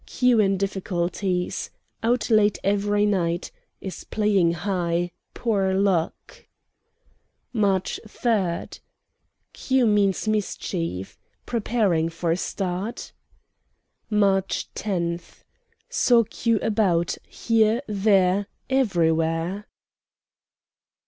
Q. in difficulties. Out late every night. Is playing high; poor luck. "March 3. Q. means mischief. Preparing for a start? "March 10. Saw Q. about, here, there, everywhere."